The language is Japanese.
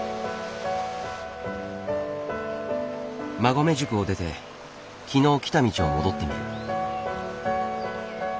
馬籠宿を出て昨日来た道を戻ってみる。